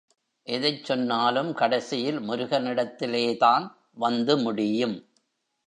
எதைச் சொன்னாலும் கடைசியில் முருகனிடத்திலேதான் வந்து முடியும்.